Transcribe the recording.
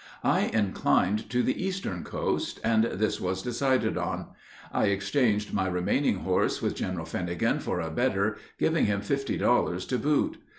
I inclined to the eastern coast, and this was decided on. I exchanged my remaining horse with General Finnegan for a better, giving him fifty dollars to boot.